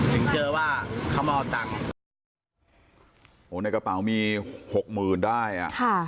ถึงเจอว่าเขามาเอาตังค์โหในกระเป๋ามีหกหมื่นได้อ่ะค่ะ